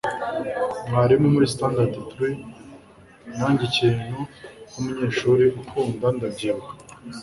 mwarimu muri standard three nanjye ikintu nkumunyeshuri akunda. ndabyibuka